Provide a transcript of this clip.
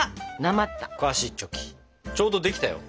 ちょうどできたよ。